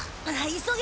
急げ！